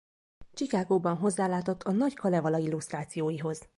Chicagoban hozzálátott a Nagy Kalevala illusztrációihoz.